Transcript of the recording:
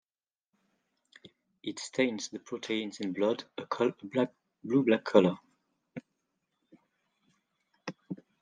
It stains the proteins in blood a blue-black color.